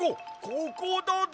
ここだで！